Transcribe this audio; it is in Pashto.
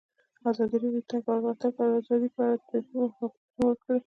ازادي راډیو د د تګ راتګ ازادي په اړه د پېښو رپوټونه ورکړي.